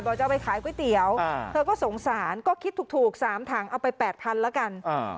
บอกจะเอาไปขายก๋วยเตี๋ยวอ่าเธอก็สงสารก็คิดถูกถูกสามถังเอาไปแปดพันละกันอ่า